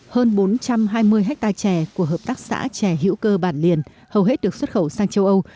hơn bốn trăm hai mươi hectare chè của hợp tác xã chè hữu cơ bản liền hầu hết được xuất khẩu sang châu âu